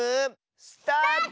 スタート！